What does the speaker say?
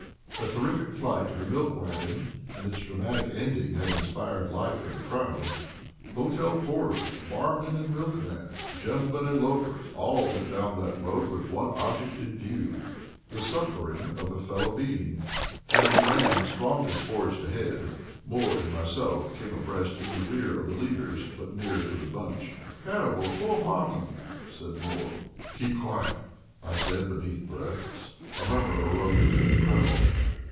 The terrific flight of the milk wagon and its dramatic ending had inspired life in the crowd. Hotel porters, barmen and milkman, gentlemen and loafers, all went down that road with one object in view the succoring of a fellow being. As we ran, the strongest forged ahead. Moore and myself came abreast in the rear of the leaders, but near to the bunch. "Terrible! Poor Martin!" said Moore. "Keep quiet," I said between breaths. A murmur arose in the crowd.